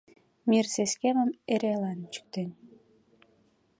Мир сескемым эрелан чӱктен.